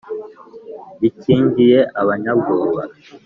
Gikingiye abanyabwoba.